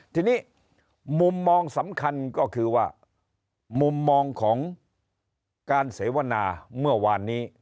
ทีนี้มุมมองสำคัญก็คือว่ามุมมองของการเสวนาเมื่อวานนี้